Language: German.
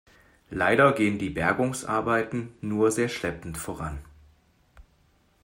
Leider gehen die Bergungsarbeiten nur sehr schleppend voran.